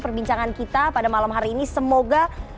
perbincangan kita pada malam hari ini semoga